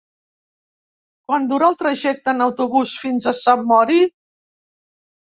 Quant dura el trajecte en autobús fins a Sant Mori?